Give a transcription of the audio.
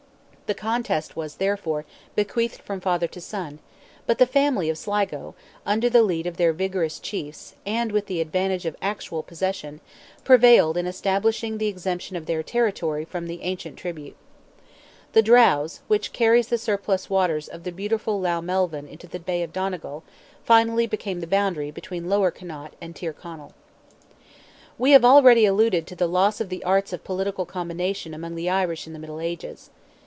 The contest was, therefore, bequeathed from father to son, but the family of Sligo, under the lead of their vigorous chiefs, and with the advantage of actual possession, prevailed in establishing the exemption of their territory from the ancient tribute. The Drowse, which carries the surplus waters of the beautiful Lough Melvin into the bay of Donegal, finally became the boundary between Lower Connaught and Tyrconnell. We have already alluded to the loss of the arts of political combination among the Irish in the Middle Ages.